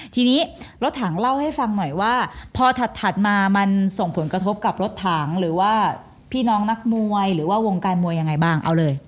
ทีนี้รถถังเล่าให้ฟังหน่อยว่าพอถัดมามันส่งผลกระทบกับรถถังหรือว่าพี่น้องนักมวยหรือว่าวงการมวยยังไงบ้างเอาเลย